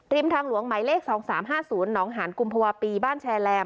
ทางหลวงหมายเลข๒๓๕๐หนองหานกุมภาวะปีบ้านแชร์แรม